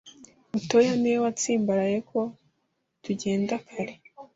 Butoyi niwe watsimbaraye ko tugenda kare.